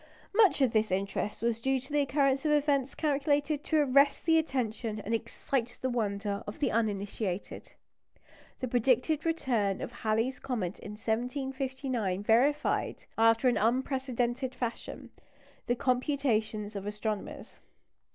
Much of this interest was due to the occurrence of events calculated to arrest the attention and excite the wonder of the uninitiated. The predicted return of Halley's comet in 1759 verified, after an unprecedented fashion, the computations of astronomers.